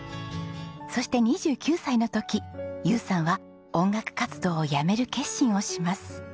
そして２９歳の時友さんは音楽活動をやめる決心をします。